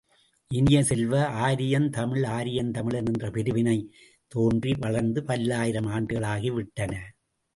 இனிய செல்வ, ஆரியம் தமிழ், ஆரியன் தமிழன் என்ற பிரிவினை தோன்றி வளர்ந்து பல்லாயிரம் ஆண்டுகளாகிவிட்டன!